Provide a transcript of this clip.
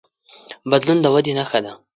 بدلون د ودې نښه ده.